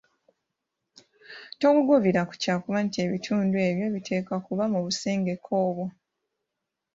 Togugubira ku kyakuba nti ebitundu ebyo biteekwa kuba mu busengeke obwo.